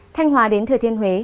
thanh hòa đến thừa thiên huế